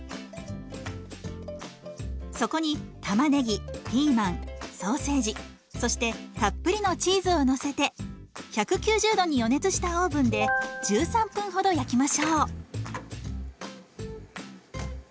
そこにたまねぎピーマンソーセージそしてたっぷりのチーズをのせて１９０度に予熱したオーブンで１３分ほど焼きましょう。